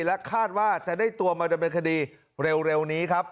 และคาดว่าจะได้ตัวมาดำเนินคดีเร็วนี้ครับ